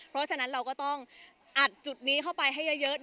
เพราะฉะนั้นเราก็ต้องอัดจุดนี้เข้าไปให้เยอะ